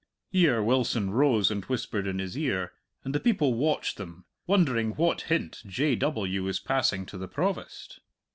Here Wilson rose and whispered in his ear, and the people watched them, wondering what hint J. W. was passing to the Provost.